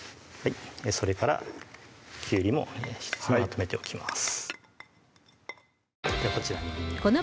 それからきゅうりもまとめておきます